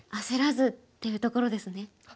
焦らずっていうところですね。